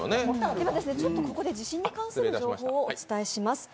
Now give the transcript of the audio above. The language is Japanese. ここで地震に関する情報をお伝えします。